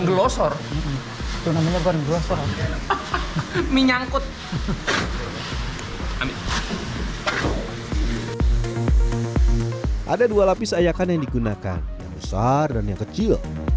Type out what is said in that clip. glosor itu namanya berburu buru mie nyangkut ada dua lapis ayakan yang digunakan besar dan yang kecil